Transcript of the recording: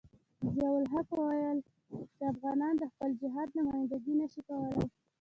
ضیاء الحق ویل چې افغانان د خپل جهاد نمايندګي نشي کولای.